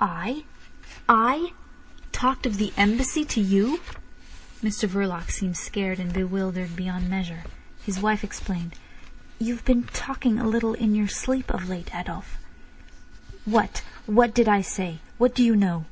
"I! I! Talked of the Embassy to you!" Mr Verloc seemed scared and bewildered beyond measure. His wife explained: "You've been talking a little in your sleep of late, Adolf." "What—what did I say? What do you know?"